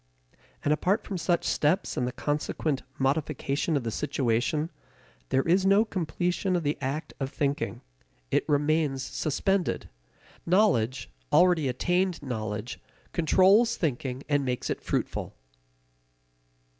And apart from such steps and the consequent modification of the situation, there is no completion of the act of thinking. It remains suspended. Knowledge, already attained knowledge, controls thinking and makes it fruitful.